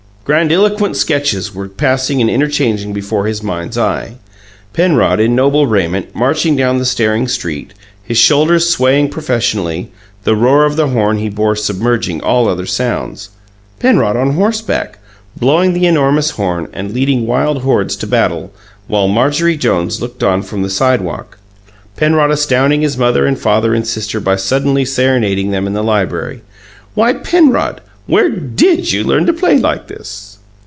Grandiloquent sketches were passing and interchanging before his mind's eye Penrod, in noble raiment, marching down the staring street, his shoulders swaying professionally, the roar of the horn he bore submerging all other sounds; Penrod on horseback, blowing the enormous horn and leading wild hordes to battle, while Marjorie Jones looked on from the sidewalk; Penrod astounding his mother and father and sister by suddenly serenading them in the library. "Why, Penrod, where DID you learn to play like this?"